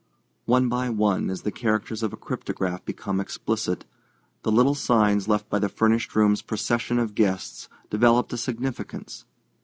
One by one, as the characters of a cryptograph become explicit, the little signs left by the furnished room's procession of guests developed a significance.